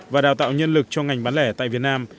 và đào tạo nhân lực cho ngành bán lẻ tại việt nam